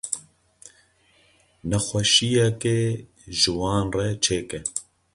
Nexşeyekê ji wan re çêke.